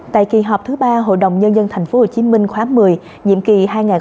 tại kỳ họp thứ ba hội đồng nhân dân tp hcm khóa một mươi nhiệm kỳ hai nghìn một mươi sáu hai nghìn hai mươi sáu